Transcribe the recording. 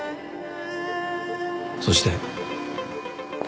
そして。